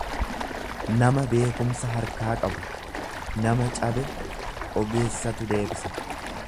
nama beekumsa harkaa qabu; Nama cabe ogeessatu deebisa.